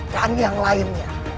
dan yang lainnya